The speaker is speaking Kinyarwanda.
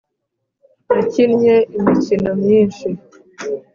nakinnye imikino myinshi